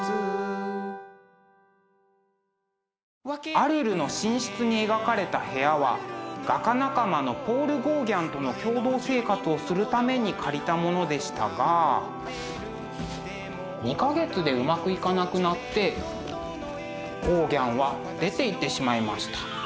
「アルルの寝室」に描かれた部屋は画家仲間のポール・ゴーギャンとの共同生活をするために借りたものでしたが２か月でうまくいかなくなってゴーギャンは出ていってしまいました。